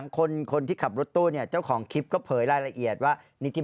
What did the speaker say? ก็มี๑๐ล้อมันวิ่งพุ่งพลวดเข้ามาเลยทันที